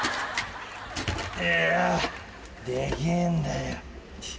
いやー、でけえんだよ。